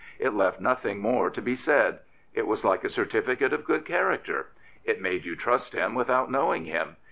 It left nothing more to be said. It was like a certificate of good character. It made you trust him without knowing him.